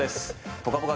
「ぽかぽか」